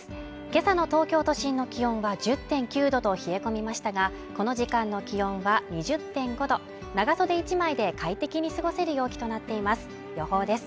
今朝の東京都心の気温は１０．９度と冷え込みましたがこの時間の気温は２０．５度長袖１枚で快適に過ごせる陽気となっています予報です